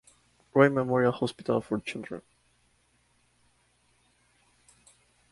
Roy Memorial Hospital for Children.